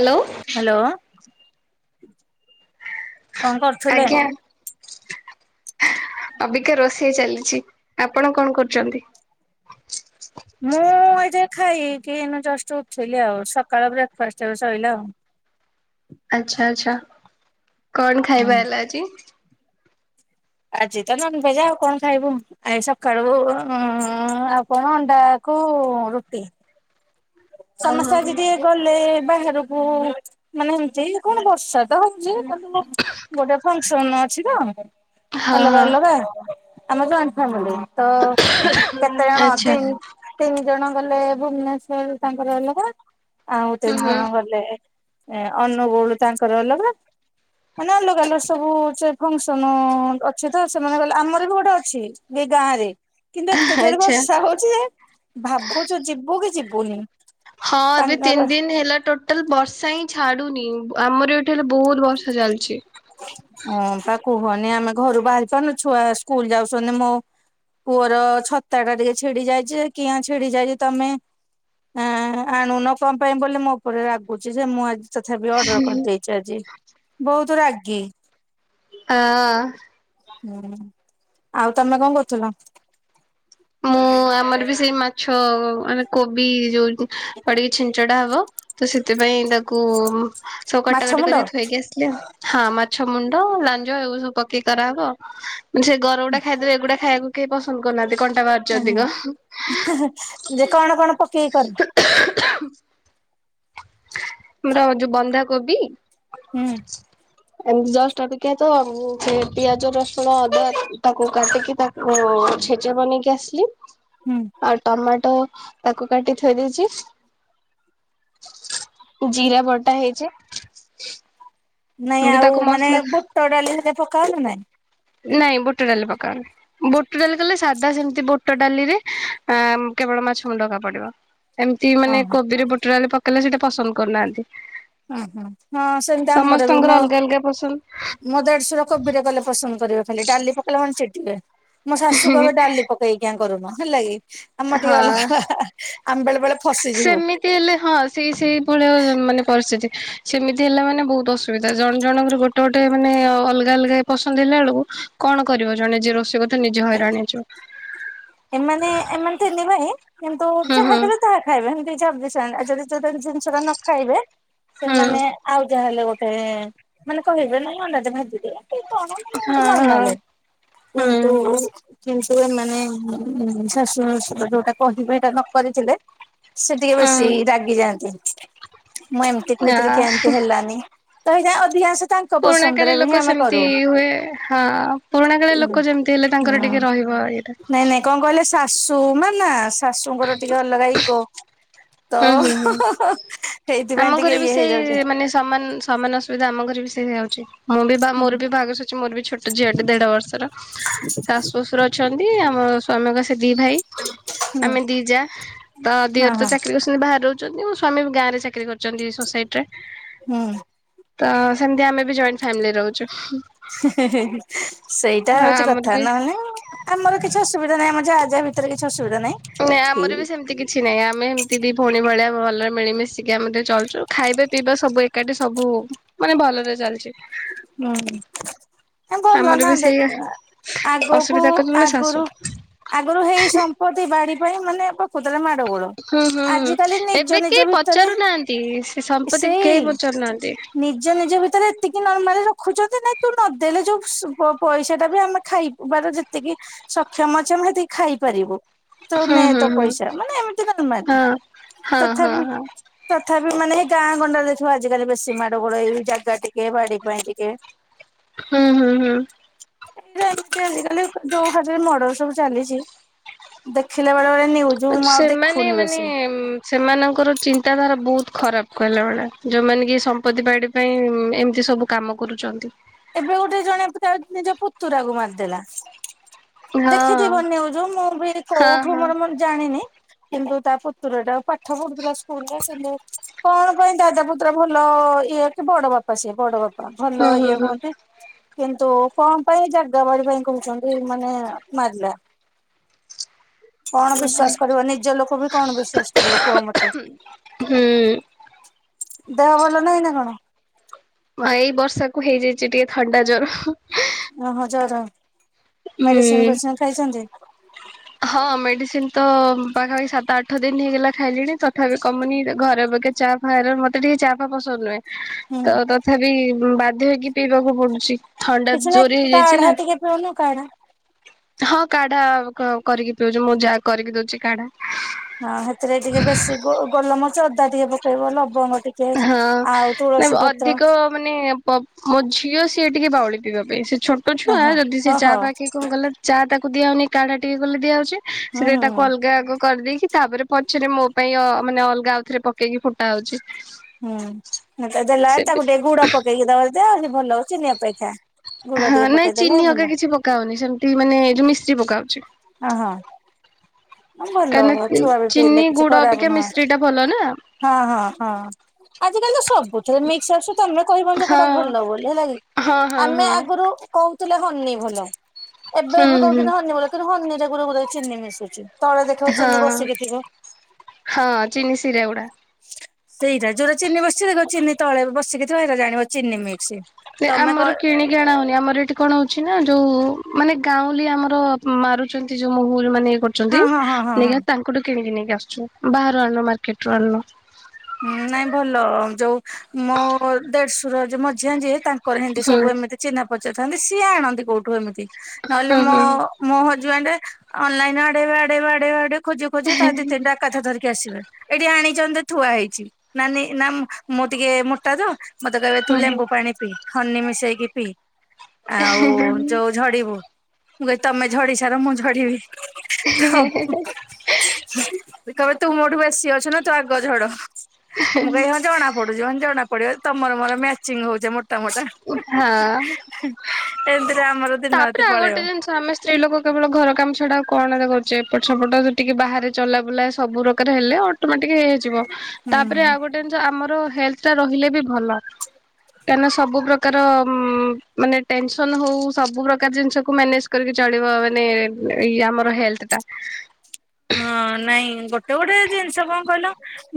Hello. Hello. କଣ କରୁ ଆଜ୍ଞା। ଅବିକା ରୋଷେଇ ଚାଲିଛି ଆପଣ କଣ କରୁଛନ୍ତି? ମୁଁ ଏଯାଏ ଖାଇକି ଜଷ୍ଟ ଉଠଲି ଆଉ। ସକାଳ ବ୍ରେକଫାଷ୍ଟ ସରିଲା ଆଉ। ଆଚ୍ଛା ଆଚ୍ଛା। କଣ ଖାଇବା ହୁଁ। ହେଲା ଆଜି? ଆଜି ତ ନନ୍‌ଭେଜ୍ ଆଉ କଣ ଖାଇବୁ? ଆଇ ସକାଳୁ ଆଉ କଣ ଅଣ୍ଡାକୁ ରୁଟି? ସମସ୍ତେ ଓହୋ ଆଜି ଟିକେ ଗଲେ ବାହାରକୁ ମାନେ ଏମତି କଣ ବର୍ଷା ତ ହଉଛି? ଗୋଟେ ଫଙ୍କ୍ ସନ୍‌ ଅଛି ତ ହଁ ଅଲଗା ହଁ ଅଲଗା। ଆମର ଯୋଉ [unintelligible] ତ କେତେ ଜଣ ଆଚ୍ଛା ଅଣନ୍ ତିନି ଜଣ ଗଲେ ଭୁବନେଶ୍ଵର ତାଙ୍କର ଅଲଗା ଆଉ ତିନି ଜଣ ଗଲେ ଏ ଅନୁଗୁଳୁ ତାଙ୍କର ଅଲଗା। ମାନେ ଅଲଗା ଅଲଗର ସବୁ ଫଙ୍କସନ। ଅଛ ତ ସେମାନେ କହିଲ ଆମର ବି ଗୋଟେ ଅଛି। ଏ ଗାଁ ରେ କିନ୍ତୁ ଏତେ ଜୋରେ ଆଚ୍ଛା। ବର୍ଷା ହଉଛି ଯେ। ଭାବୁଛୁ ଯିବୁ କି ଯିବୁନି। ହଁ ଏବେ ତାଙ୍କର ତିନି ଦିନ୍ ହେଲା ଟୋଟାଲ୍ ବର୍ଷା ହିଁ ଛାଡୁନି। ଆମର ହେଲେ ବହୁତ ବର୍ଷା ଚାଲିଛି। ହଁ ତା କୁହନି ଆମେ ଘରୁ ବାହାରି ପାରୁନୁ। ଛୁଆ ସ୍କୁଲ୍ ଯାଉଛନ୍ତି ମୋ ପୁଅର ଛତା ଟା ଟିକେ ଛିଡି ଯାଇଚି। କିଆଁ ଛିଡି ଯାଇଚି ତମେ ହାଁ ଆଣୁନ କଣ ପାଇଁ ବୋଲି ମୋ ଉପରେ ରାଗୁଛି ଯେ ମୁଁ ଆଜି ତଥାପି ଅର୍ଡର କରିଦେଇଛି ଆଜି। ବହୁତ ରାଗି। ଆଁ। ହୁଁ ଆଉ ତମେ କଣ କରୁଥିଲ? ମୁଁ ଆମର ବି ସେଇ ମାଛ ମାନେ କୋବି ଯୋଉ ପଡିକି ଛିଞ୍ଚଡ଼ା ହବ। ତ ସେଥିପାଇଁ ତାକୁ ସବୁ ମାଛ କଟାକଟି ମୁଣ୍ଡ କରିକି ଥୋଇକି ଆସିଲେ ଆଉ। ହଁ ମାଛ ମୁଣ୍ଡ ଲାଞ୍ଜ ଆଗୁ ସବୁ ପକେଇକି କରାହବ। ମାନେ ସେ ଗର ଗୁଡା ଖାଇଦେବେ ଏଗୁଡା ଖାଇବାକୁ କେହି ପସନ୍ଦ କରନାହାନ୍ତି କନ୍ ଏଁ ହେଁ ଯେ କଣ କଣ ପକେଇକି କର? ଆମର ଯୋଉ ବନ୍ଧାକୋବି। ହୁଁ। ଏମିତି ଜଷ୍ଟ ଟିକେତ ସେ ପିଆଜ ରସୁଣ ଅଦା ତାକୁ କାଟିକି ତାକୁ ଓ ଛେଚା ବନେଇକି ଆସିଲି। ହୁଁ ଆଉ ଟମାଟୋ ତାକୁ କାଟି ଥୋଇ ଦେଇଛି। ଜିରା ବଟା ହେଇଛି। ନାଇଁ ଏମିତି ଆଉ ତାକୁ ମାନେ ମସଲା ବୁଟ ଡାଲି ସେତେ ପକା ହବ ନା ନାଇଁ। ନାଇଁ ବୁଟ ଡାଲି ପକାଓନି ବୁଟ ଡାଲି କଲେ ସା ତ ସେମିତି ବୁଟ ଡାଲିରେ ଆ କେବଳ ମାଛ ମୁଣ୍ଡ ଆକା ପଡିବ। ଏମିତି ମାନେ ଓହୋ କୋବିରେ ବୁଟଡାଲି ପକେଇଲେ ସେଟା ପସନ୍ଦ କରୁନାହାନ୍ତି। ଓହୋ ହଁ ସେମିତି ଆମର ବି ସମସ୍ତଙ୍କର ମୋ ଅଲଗା ଅଲଗା ପସନ୍ଦ। ମୋ ଦେଢ଼ଶୁର କୋବିରେ କଲେ ପସନ୍ଦ କରିବେ ଖାଲି। ଡାଲି ପକେଇଲା ମାନେ ଚିଡିବେ। ମୋ ଶାଶୁ କହିବେ ଡାଲି ପକେ ସେ କିଆଁ କରୁନ ହେଲା କିି? ଆମର ଟିକେ ଅଲଗା ହାଁ ହାଁ ହାଁ ଆମେ ବେଳେ ବେଳେ ଫସିଯିବୁ ସେମି ହେଲେ ହଁ ସେଇ ସେଇଭଳିଆ ମାନେ ପରିସ୍ଥିତି ସେମିତି ହେଲେ ମାନେ ବୋହୁତ ଅସୁବିଧା ଜଣେ ଜଣଙ୍କର ଗୋଟେ ଗୋଟେ ଗୋଟେ ମାନେ ଅଲଗା ଅଲଗା ପସନ୍ଦ ହେଲା ବେଳକୁ କଣ କରିବ ଜଣେ ଯିଏ ରୋଷେଇ କରୁ ଏମାନେ ଏମାନେ ତିନି ଭାଇ କିନ୍ତୁ ହୁଁ ହୁଁ ଯାହାଦେଲେ ତାହା ଖାଇବେ ଏମିତିି ଯଦି ଯୋଉ ଜିନିଷଟା ନ ଖାଇବେ ହୁଁ ସେମାନେ ଆଉ ଯାହାହେଲେ ଗୋଟ ସେ ମାନେ କହିବେ ନାଇଁ ଅଣ୍ଡା ଭାଜିଦିଅ କ କଣ ମାନେ ହଁ ହଁ ନର୍ମାଲରେ। ହୁଁ କିନ୍ତୁ କିନ୍ତୁ ଏମାନେ ଶାଶୁ ଶଶୁର ଯୋଉଟା କହିବେ ହେଇଟା ନ କରିଥିଲେ ସେ ଟିକେ ବେସି ହୁଁ ରାଗି ଯାଆନ୍ତି ମୁଁ ଏମିତି କହିଥିଲି କିଆଁ ହଁ ଏମିତି ହେଲାନି? ରହିଯାଏ ଅଭିଆସଟା। ପୁରୁଣା କାଳିଆ ଲୋକ ସେମିତି ହୁଏ। ହାଁ ପୁରୁଣା କାଳିଆ ହୁଁ ଲୋକ ଯେମିତି ଯେମିତି ହେଲେ ତାଙ୍କର ଟିକେ ରହିବ ଏଇଟା। ନାଇଁ ନାଇଁ କଣ କହିଲେ ଶାଶୁ ମା ନା ଶାଶୁଙ୍କର ଟିକେ ଅଲଗା ଇଗୋ। ତ ହୁଁ ହୁଁ ହୁଁ ସେଇଥିପାଇଁ ଆମ ଟିକେ ଘରେ ବି ଇଏ ସେଇ ହେଇଯାଉଛି ମାନେ ସମାନ ସମାନ ବିଧା ଆମ ଘରେ ବି ସେଇଆହଉଛି ମୁଁ ବି ବା ହୁଁ ମୋର ବି ଭାଗ ସରିଛି, ମୋର ବି ଛୋଟ ଝିଅ ଟେ ଦେଢ଼ ବର୍ଷର। ଶାଶୁ ଶଶୁର ଅଛନ୍ତି ଆମ ସ୍ଵାମୀଙ୍କ ସେ ଦି ଭାଇ ଆମେ ଦିଜା। ତ ହଁ ଦିଅର ତ ହଁ। ଚାକିରି କରୁଛନ୍ତି ବାହାରେ ରହୁଛନ୍ତି, ମୋ ସ୍ଵାମୀ ଗାଁ ରେ ଚାକିରି କରିଛନ୍ତି ସୋସାଇଟିରେ। ହୁଁ। ତ ସେମତି ଆମେ ବି ଜଏଣ୍ଟ ଫାମିଲି ରହୁଛୁ। ହିଁ ହିଁ ହେଁ ହିଁ ସେଇଟା ହଁ ହଉଚି ଆମର କଥା ବି ନହନେ ଆମର କିଛି ଅସୁବିଧା ନାହିଁ ଆମ ଯା ଯା ଭିତରେ କିଛି ଅସୁବିଧା ନାହିଁ। ନାଇଁ ଆମର ବି ଠିକ ସେମିତି କି କିଛି ନାଇଁ ଆମେ ଏମିତିି ଦିଇ ଭଉଣୀ ଭଳିଆ ଭଲରେ ମିଳିମିଶିକି ଆମେ ଚଳଛୁ ଖାଇବା ପିଇବା ସବୁ ଏକାଠି ସବୁ ମାନେ ଭଲରେ ଚାଲିଚି। ହଁ। ତାଙ୍କ ଆମର ନନା ବି ସେଇଆ ଦେଖ ଆଗକୁ ଅସୁବିଧା କରୁଛନ୍ତି ଶାଶୁ। ଆଗରୁ ଆଗରୁ ହେଇ ସମ୍ପତ୍ତି ବାଡି ପାଇଁ ମାନେ ଏବେ ପ୍ରକୃତରେ ମାଡ ଗୋଳ। ହୁଁ ହୁଁ ଆଜିକାଲି ନିଜ ଏବେ ନିଜ କେହି ଭିତରେ ପଚାରୁନାହାନ୍ତି ସେ ସମ୍ପତ୍ତିକି କେହି ସେଇ ପଚାରୁନାହାନ୍ତି? ନିଜ ନିଜ ଭିତରେ ଏତିକି ନର୍ମାଲ ରଖୁଛନ୍ତି ନାଇଁ ତୁ ନଦେଲେ ଯୋଉ ସୁଧ ପଇସାଟା ବି ଆମେ ଖାଇବାର ଯେତିକି ସକ୍ଷମ ଅଛି ଆମେ ହେତିକି ଖାଇପାରିବୁ। ତୁ ହୁଁ ନେ ହୁଁ ତୋ ହୁଁ ପଇସା ମାନେ ଏମିତି ନର୍ମାଲି ହଁ। ହଁ ହଁ ତଥାପି ହଁ ତଥାପି ମାନେ ଗାଁ ଗଣ୍ଡାରେ ଦେଖିବ ଆଜିକାଲି ବେଶୀ ମାଡ ଗୋଳ ଏଇ ଜାଗା ଟିକେ ବାଡି ପାଇଁ ଟିକେ। ହୁଁ ହୁଁ ହୁଁ। ଏଇଟା ଏମିତି ଆଜିିକାଲି ଯୋଉ ଭାବରେ ମର୍ଡର ସବୁ ଚାଲିଛି ଦେଖିଲେ ବେଳେ ବେ ନ୍ୟୁଜ ମୁଁ ଆଉ ସେମାନେ ଦେଖୁନି ମାନେ ବେଶୀ। ସେମାନଙ୍କର ଚିନ୍ତାଧାରା ବହୁତ ଖରାପ କହିଲା ଭଳିଆ ଯୋଉମାନେ କି ସମ୍ପତ୍ତି ବାଡି ପାଇଁ ଏମିତି ସବୁ କାମ କରୁଛନ୍ତି। ଏବେ ଗୋଟେ ଜଣେ ତା ନିଜ ପୁତୁରାକୁ ମାରିଦେଲା। ହଁ ଦେଖିଥିବ ନିଉଜ ମୁଁ ବି ହଁ କୋଉଠୁ ହଁ ମୋର ଜାଣିନି। କିନ୍ତୁ ତା ପୁତୁରଟା ପାଠ ପଢୁଥିଲା ସ୍କୁଲରେ କିନ୍ତୁ କଣ ପାଇଁ ଦାଦା ପୁତୁରା ଭଲ ଇଏ କି ବଡ ବାପା ସିଏ ବଡ ବାପା ହୁଁ ଭଲ ହୁଁ ଇଏ ହୁଁ। ହୁଅନ୍ତି। କିନ୍ତୁ କଣ ପାଇଁ ଜାଗା ବାଡି ପାଇଁ କହୁଛନ୍ତି ମାନେ ମାରଲା। କଣ ବିଶ୍ଵାସ କରିବ ନିଜ ଲୋକ ବି କଣ ବିଶ୍ଵାସ କରିବ କୁହ ମତେ? ହୁଁ ଦେହ ଭଲ ନାହିଁ ନା କଣ? ହଁ ଏଇ ବର୍ଷାକୁ ହେଇଯାଇଛି ଟିକେ ଥଣ୍ଡା ଜର। ଓ ହ ଜର ହୁଁ। ମେଡିସିନ ଫେଡିସିନ ଖାଇଛନ୍ତି? ହଁ ମେଡିସିନ ତ ପାଖାପାଖି ସାତ ଆଠ ଦିନ ହେଇଗଲା ଖାଇଲିଣି ତଥାପି କମୁନି ଘର ପାଖେ ଚା ଫା ମତେ ଟିକେ ଚା ଫା ପସନ୍ଦ ନୁହେଁ। ହୁଁ। ତ ତଥାପି ବ ବାଧ୍ୟ ହେଇକି ପିଇବାକୁ ପଡୁଛି ଥଣ୍ଡା ଜୋରେ ହେଇଯାଇଛି ନା। ଉନୁ କାଢା ହଁ କାଢା କ କରିକି ପିଉଛି ମୋ ଯା କରିକି ଦଉଚି କାଢା। ହଁ ସେଥିରେ ଟିକେ ବେଶୀ ଗୋ ଗୋଲମରିଚ ଅଦା ଟିକେ ପକେଇବ ଲବଙ୍ଗ ଟିକେ ହଁ। ଆଉ ନା ତୁଳସୀ ପତ୍ର। ଅଧିକ ମାନେ ପବ୍ ମୋ ଝିଅ ସିଏ ଟିକେ ବାଉଳି ପିଇବା ପାଇଁ ସିଏ ଛୋଟ ଛୁଆ ଓହୋ ଯଦି ସିଏ ଓହୋ ଚାହା ଫାହା କି କଣ କଲେ ଚା ତାକୁ ଦିଆ ହଉନି କାଢା ଟିକେ କଲେ ଦିଆ ହଉଛି ହୁଁ ସିଏ ହୁଁ ତାକୁ ଅଲଗା ଆଗ କରିଦେଇକି ତାପରେ ପଛେରେ ମୋ ପାଇଁ ଅ ମାନେ ଅଲଗା ଆଉଥରେ ପକେଇକି ଫୁଟା ହଉଛି। ହୁଁ ଉଁ ତାକୁ ସେ ଦେଲାଆଳେ ତାକୁ ଟିକେ ଗୁଡ ପକେଇକି ଦବ ଯେ ସିଏ ଭଲ ହବ ଚିନି ଅପେକ୍ଷା। ଗୁଡ ହଁ ଟିକେ ନାଇଁ ପକେଇଦେଲେ ଚିନି ଭଲ ହକା କିଛି ପକା ହଉନି ସେମତି ମାନେ ଏ ଯୋଉ ମିଶ୍ରି ପକା ହଉଛି। ହଁ ହଁ। ନାଇଁ ଭଲ ହବ କାହିଁକିନା ଛୁଆ ବି ପିଇଲେ ଚିନି କିଛି ଗୁଡ ଖରାପ ଅପେକ୍ଷା ନୁହେଁ। ମିଶ୍ରି ଟା ଭଲ ନା ହଁ ହଁ ହଁ ଆଜିକାଲି ତ ସବୁ ଯୋଉ ମିକ୍ସ ଆସୁ ତମେ କହିବନି ଯେ କୋଉଟା ହଁ। ଭଲ ବୋଲି ହେଲା କି ହଁ ହଁ ଆମେ ହଁ ଆଗୁରୁ କହୁ ତିଲେ ହନି ଭଲ ଏବେ ହୁଁ ଏବେ ହୁଁ କହୁଥିନି ହନି ଭଲ କିନ୍ତୁ ହନିରେ ଗୁରେ ଗୁରେ ଚିନି ମିଶୁଚି। ତଳେ ଦେଖିବ ଚିନି ହଁ ବସିକି ଥିବ। ହଁ ଚିନି ସିରା ଗୁଡା। ସେଇଟା ଯୋଉରା ଚିନି ବସଚି [unintelligible] ଚିନି ତଳେ ବସିକି ଥିବ ସେଇଟା ଜାଣିବ ଚିନି ମିକ୍ସି। ନାଇଁ ଆମର କିଣି କି ଅଣା ହଉନି ଆମର ଏଠି କଣ ହଉଛି ନା ଯୋଉ ମାନେ ଗାଉଁଲି ଆମର ମାରୁଛନ୍ତି ଯୋଉ ମହୁଲ୍ ମାନେ ଗୋ ଛନ୍ତି ହଁ ହଁ ହଁ ହଁ ହଁ। ନେଇଘା ତାଙ୍କଠୁ କିଣିକି ନେଇକି ଆସୁଛୁ ବାହାରୁ ଆଣନୁ ମାର୍କେଟରୁ ଆଣନୁ। ହୁଁ ନାଇଁ ଭଲ ଯୋଉ ମୋ ଦେଢଶୁର ଯିଏ ମଝିଆଁ ଯିଏ ତାଙ୍କ୍ କର୍ ହେନ୍ତି ହୁଁ ସବୁ ଏମିତି ଚିହ୍ନା ପରିଚୟ ଥାଆନ୍ତି ସିଏ ଆଣନ୍ତି କୋଉଠୁ ଏମିତି ନହେଲେ ହୁଁ ମୋ ହୁଁ ମୋ ହଜବେଣ୍ଡେ ଅନଲାଇନ୍ ଆଡେଇବେ ଆଡେଇବେ ଆଡେଇବେ ଆଡେଇବେ ଖୋଜିବେ ଖୋଜିବେ ତା ଧିଏରୁ ତିନଟା କଥା ଧରିକି ଆସିବେ ଏଇଠି ଆଣିଛନ୍ତି ଯେ ଥୁଆ ହେଇଛି ନାନି ନାଁ ମୁଁ ଟିକେ ମୋଟା ଯେ ମତେ କହିବେ ତୁ ହୁଁ ଲେମ୍ବୁ ହୁଁ ପାଣି ପିଇ ହନି ମିଶେଇକି ପିଇ ଆଉ ଯୋଉ ଝଡିବୁ ମୁଁ କହିବି ତମେ ଝଡି ସାର ମୁଁ ଝଡିବି ଥମ୍ କହିବେ ତୁ ମୋ ଠୁ ବେଶୀ ଅଛୁ ନା ତୁ ଆଗ ଝଡ ମୁଁ କହିବି ହିଁ ଜଣା ପଡୁଚି ମାନେ ପଡିବ ଜଣା ପଡିବ ତମର ମୋର ମ୍ୟାଚିଂ ହଉଛେ ମୋଟା ମୋଟା ହେଁ ହେଁ ହଁ ହେଁ ହିଁ। ଏମିତିରେ ଆମର ଦିନ ରାତି ତାପରେ ଆଉ ପଳେଇବ ଗୋଟେ ଜିନିଷ ଆମେ ସ୍ତ୍ରୀ ଲୋକ କେବଳ ଘର କାମ ଛଡା ଆଉ କଣଟା କରୁଛେ ଏପଟ ସେପଟ ଯା ଟିକେ ବାହାରେ ଚଲା ବୁଲା ସବୁ ପ୍ରକାର ହେଲେ ତ ହଁ ଟିକେ ହେଇଯିବ ତାପରେ ହୁଁ। ଆଉ ଗୋଟେ ଜିନଷ ଆମର ହେଲଥଟା ରହିଲେ ବି ଭଲ। କାଇଁନା ସବୁ ପ୍ରକାର ଉଁ ମାନେ ଟେନସନ ହଉ ସବୁ ପ୍ରକାର ଜିନିଷକୁ ମ୍ୟାନେଜ କରିକି ଚଳିବ ମାନେ ଉ ଇଏ ଆମର ହେଲଥଟା। ହଁ ନାଇଁ ଗୋ ଟେ ଗୋଟେ ଜିନଷ କଁ କଇଲ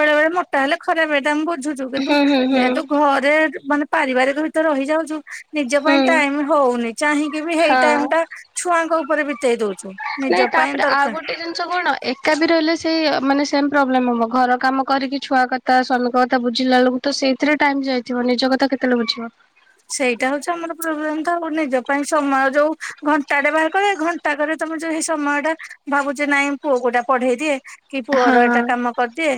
ବେଳେ ବେଳେ ମୋଟା ହେଲେ ଖରାପ ହେଇଟା ମୁଁ ବୁଝୁ ଚୁ କିନ୍ତୁ ହୁଁ ହୁଁ ହୁଁ ଯେହେତୁ ଘରେ ମାନେ ପାରିବାରିକ ଭିତେରେ ରହିଯାଉଚୁ ନିଜ ପାଇଁ ହୁଁ ଟାଇମି ହଉନି ଚାହିଁକି ବି ହେଇ ହଁ ଟାଇମଟା ଛୁଆଙ୍କ ଉପରେ ବି ତେଇ ଦଉଚୁ ନିଜ ପାଇଁ ଦରକାର ଛୁଆ କଣ ଏକା ବି ରହିଲେ ସେଇ ମାନେ ସେମ୍ ପ୍ରୋବ୍ଲେମ୍ ହବ ଘର କାମ କରିକି ଛୁଆ କ ତା ସ୍ୱାମୀଙ୍କ କଥା ବୁଝିଲା ବେଳୁକୁ ତ ସେଇଥିରେ ଟାଇମ୍ ଯାଇଥିବ ନିଜ କଥା କେତେବେଳେ ବୁଝିବ। ସେଇଟା ହଉଛି ଆମର ପ୍ରୋବ୍ଲେମ୍ ତ ଆଉ ନିଜ ପାଇଁ ସମୟ ଯୋଉ ଘଣ୍ଟାଟେ ବାହାର କରିବେ ହେଇ ଘନ୍ ଘଣ୍ଟାକରେ ତମେ ଯୋଉ ହେଇ ସମୟଟା ଭାବୁଛି ନାଇଁ ପୁଅକୁ ଏଇଟା ପଢେଇ ଦିଏ। କି ପୁଅର ଏଇଟା ହଁ କାମ କରିଦିଏ।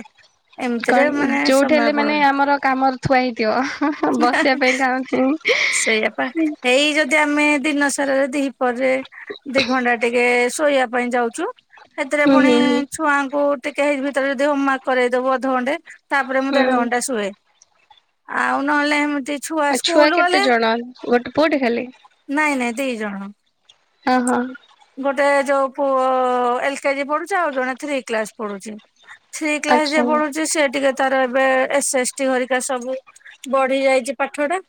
ଏମିତିରେ କଣ, ମାନେ ଯୋଉଠି ସମୟ ହେଲେ ମାନେ ପଳଉଛି ଆମର କାମର ଥୁଆ ହେଇଥିବ? ବସିବା ପାଇଁ କାହ କେଁ ସେଇଆପା। ହେଇ ଯଦି ଆମେ ଦିନସାରାରେ ଦିହି ପରେ ଦି ଘଣ୍ଟା ଟିକେ ଶୋଇବା ପାଇଁ ଯାଉଛୁ। ହେଥିରେ ହୁଁ ପୁଣି ହୁଁ ହୁଁ ଛୁଆଙ୍କୁ ଟିକେ ହେଇ ଭିତରେ ଯଦି, ହୋମୱାର୍କ କରେଇଦବୁ ଅଧଘଣ୍ଟେ। ତା'ପରେ ମୁଁ ଦେଢ ହୁଁ ଘଣ୍ଟା ଶୁଏ। ଆଉ ନହେଲେ ହେମିତି ଛୁଆ ଆଉ ଛୁଆ ସ୍କୁଲ କେତେ ଗଲେ ଜଣ? ଗୋଟେ ପୁଅଟେ ଖାଲି। ନାଇଁ ନାଇଁ ଦି ଜଣ। ହ, ହଁ। ଗୋଟେ ଯୋଉ ପୁଅ-ଅ ଏଲ୍ କେଜି ପଢୁଛି। ଆଉ ଜଣେ ଥ୍ରୀ କ୍ଲାସ୍ ପଢୁଛି। ଥ୍ରୀ କ୍ଲାସ୍ ଯେ ଆଚ୍ଛା ପଢୁଚି, ସିଏ ଟିକେ ତାର ଏବେ ଏସ୍ ଏସ୍ ଟି ହରିକା ସବୁ ବଢି ଯାଇଛି, ପାଠଟା।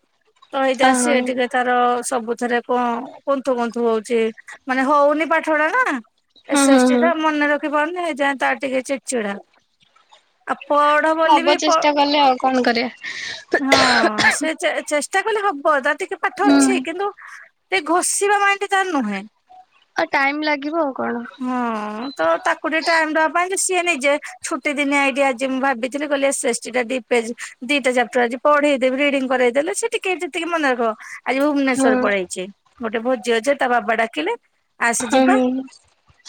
ତ ହେଇଟା ଅ ହଁ ସିଏ ଟିକେ ତାର ସବୁଥିରେ କଣ କୁନ୍ଥୁ କୁନ୍ଥୁ ହଉଛି। ମାନେ ହଉନି ପାଠଟା ନା, ହୁଁ ଏସ୍ ହୁଁ ଏସ୍ ଟି ହୁଁ ଟା ମନେ ରଖି ପାରୁନି। ହେ ଯାଏଁ ତାର ଟିକେ ଚିଡ୍ ଚିଡା। ଆଉ ପଢ ବୋଲି ହବ ବି ପ ଚେଷ୍ଟା କଲେ ଆଉ କଣ କରିବା। ହଁ, ସେ ଚେ-ଚେଷ୍ଟା କଲେ ହବ। ତା ଟିକେ ପାଠ ହୁଁ ଅଛି କିନ୍ତୁ ଏଇ ଘୋଷିବା ମାଇଣ୍ଡ ତାର ନୁହେଁ। ଆଉ, ଟାଇମ୍ ଲାଗିବ ଆଉ କଣ? ହୁଁ। ତ ତାକୁ ଟିକେ ଟାଇମ୍ ଦବା ପାଇଁ ଯେ, ସିଏ ନିଜେ ଛୁଟି ଦିନିଆ ଏଇଠି ଆଜି ମୁଁ ଭାବିଥିଲି, କହିଲି ଏସ୍ ଏସ୍ ଟି ଟା ଟି ପେଜ୍ ଦିଟା ଚାପ୍ଟର ଆଜି ପଢେଇ ଦେବି, ରିଡିଙ୍ଗ୍ କରେଇଦଲେ ସେ ଟିକେ ଯେତିକି ମନେ ରଖିବ। ଆଜି ହୁଁ ଭୁବନେଶ୍ଵର ପଳେଇଚି, ଗୋଟେ ଭୋଜି ଅଛି, ତା ବାବା ଡାକିଲେ ଆସେ ଯିବା। ହୁଁ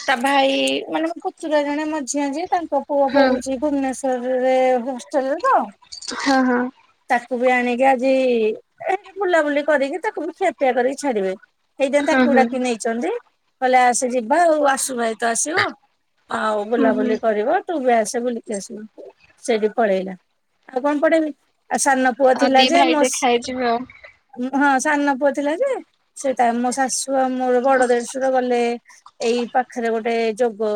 ତା ଭାଇ-ଇ ମାନେ ମୋ ପୁତୁରା ଜଣେ ମଝିଆଁ ଯିଏ ତାଙ୍କ ପୁଅ ହୁଁ ବହୁ ଯି ଭୁବନେଶ୍ୱରରେ ହଷ୍ଟେଲେରେତ ହଁ, ହଁ। ତାକୁ ବି ଆଣିକି ଆଜି-ଇ ଏ ବୁଲାବୁଲି କରିକି ତାକୁ ବି ଖିଆପିଆ କରିକି ଛାଡିବେ। ହେଇଥିଆଇଁ ହଁ ହୁଁ ହୁଁ ତାକୁଡାକି ନେଇଚନ୍ତି। କହିଲେ ଆସେ ଯିବ୍। ବା ଆଉ ଆସୁ ଭାଇ ତ ଆସିବ। ଆଉ, ହୁଁ ହୁଁ। ବୁଲାବୁଲି କରିବ ତୁ ବି ଆସ୍ ବୁଲିକି ଆସିବୁ। ସେଠି ପଳେଇଲା। ଆଉ କଣ ପଢେଇବି? ଆଉ ସାନ ପୁଅ ଆଉ ଥିଲା ଦି ଯେ, ଭାଇ ମୋ ଦେଖା ସ ହେଇଯିବେ ଆଉ। ହଁ, ସାନ ପୁଅ ଥିଲା ଯେ ସେ ତାର୍ ମୋ ଶାଶୁ ଆଉ, ମୋର ବଡ ଦେଢଶୁର ଗଲେ। ଏଇ ପାଖରେ ଗୋଟେ ଯୋଗ-ଅ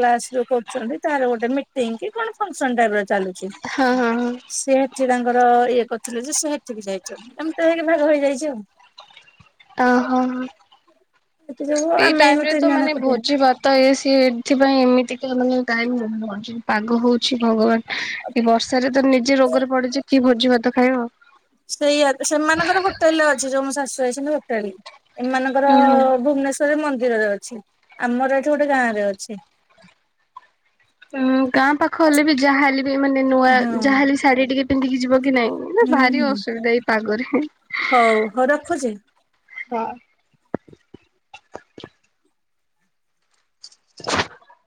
କ୍ଲାସ୍ ଯୋଉ କରୁଛନ୍ତି, ତାର ଗୋଟେ ମିଟ୍ ମିଟିଂ କି କଣ ଫଙ୍କ୍ସନ୍ ଟାଇପ୍ ର ଚାଲୁଛି। ହଁ। ହଁ ହଁ ସେ ହେଠି ତାଙ୍କର ଇଏ କରିଥିଲେ ଯେ, ସେ ହେଠି କି ଯାଇଛନ୍ତି। ଏମତି ହେଇକି ଭାଗ ହେଇଯାଇଛି ଆଉ। ଓହୋ ଏତେ ଯୋଗୁ ଏଇ ଆମେ ଟାଇମ୍ ଏଇନୁ ରେ ତିନି ତ ଜଣ ମାନେ ଏକୁଟିଆ ଭୋଜି ଭାତ୍ ତ, ଏ ସିଏ ଏଥିପାଇଁ ଏମିତିକା ମାନେ ଟାଇମ୍ ହ-ହଉଛି, ପାଗ ହଉଛି ଭଗବାନ। ଏ ବର୍ଷାରେ ତ ନିଜେ ରୋଗରେ ପଡିଛି, କି ଭୋଜି ଭାତ ଖାଇବ? ସେଇଆ, ସେମାନଙ୍କର ହୋଟେଲେ ଅଛି, ଯୋଉ ମୋ ଶାଶୁ ଆଇସନ୍ତି ହୋଟେଲ। ଏମାନଙ୍କର ହୁଁ ହୁଁ ଭୁବନେଶ୍ୱ ତ ମନ୍ଦିରରେ ଅଛି। ଆମର ଏଠି ଗୋଟେ ଗାଁ ରେ ଅଛି। ହୁଁ, ଗାଁ ପାଖ ହେଲେ ବି ଯାହେଲେ ବି, ମାନେ ନୂଆ ହଁ ଯାହେଲେ ଶାଢୀ ଟିକେ ପିନ୍ଧିକି ଯିବ କି ନାଇଁ! ନା ହୁଁ ଭାରି ହୁଁ ଅସୁବିଧା ଏଇ ପାଗରେ ହଉ ହଉ ରଖୁଛି। ହଁ। [inaudible]